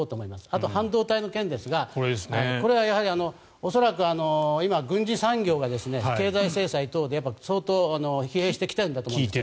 あと半導体の件ですがこれは恐らく今、軍事産業が経済制裁等で相当疲弊してきているんだと思います。